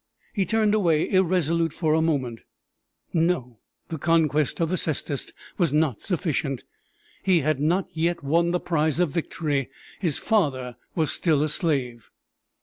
He turned away irresolute for a moment. No! the conquest of the cestus was not sufficient he had not yet won the prize of victory his father was still a slave!